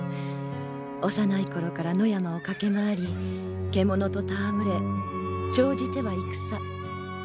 幼い頃から野山を駆け回り獣と戯れ長じては戦。